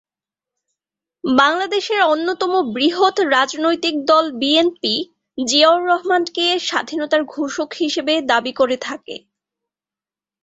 বাংলাদেশের অন্যতম বৃহৎ রাজনৈতিক দল বিএনপি জিয়াউর রহমান কে স্বাধীনতার ঘোষক হিসেবে দাবি করে থাকে।